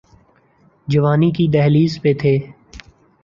جوانی کی دہلیز پہ تھے۔